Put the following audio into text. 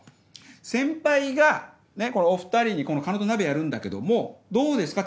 先輩がこのお２人に狩野と鍋やるんだけどもどうですか？